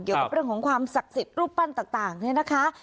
เกี่ยวกับเรื่องของความศักดิ์สิทธิ์รูปปั้นต่างเนี่ยนะคะ